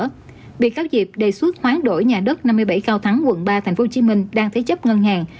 trước đó bị cáo diệp đề xuất khoán đổi nhà đất năm mươi bảy cao thắng quận ba tp hcm đang thế chấp ngân hàng